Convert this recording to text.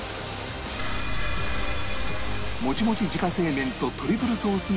もちもち自家製麺とトリプルソースが決め手